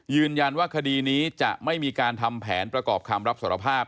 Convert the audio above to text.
ยืนยันว่าคดีนี้จะไม่มีการทำแผนประกอบคำรับสารภาพ